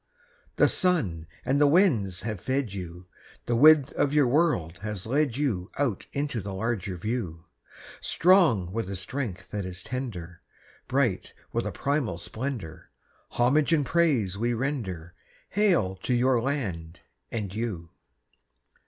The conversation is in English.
The sun and the winds have fed you; The width of your world has led you Out into the larger view; Strong with a strength that is tender, Bright with a primal splendour, Homage and praise we render— Hail to your land and you!